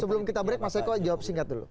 sebelum kita break mas eko jawab singkat dulu